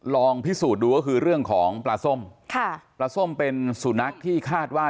ลองพิสูจน์ดูก็คือเรื่องของปลาส้มค่ะปลาส้มเป็นสุนัขที่คาดว่า